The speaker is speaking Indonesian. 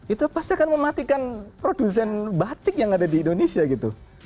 itu pasti akan mematikan produsen batik yang ada di indonesia gitu